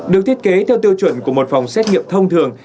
được thiết kế theo tiêu chuẩn của một phòng xét nghiệm thông thường